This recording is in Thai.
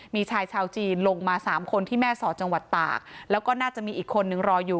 มีชายชาวจีนลงมาสามคนที่แม่สอดจังหวัดตากแล้วก็น่าจะมีอีกคนนึงรออยู่